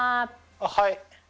あっはい。